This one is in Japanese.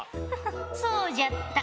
そうじゃった。